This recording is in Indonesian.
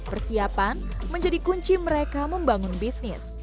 persiapan menjadi kunci mereka membangun bisnis